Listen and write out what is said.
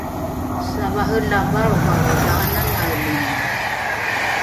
savare la valrovalro dha’ananaelini